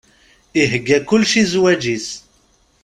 Ihegga kullec i zzwaǧ-is.